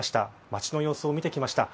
街の様子を見てきました。